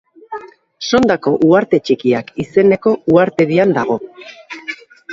Sondako uharte txikiak izeneko uhartedian dago.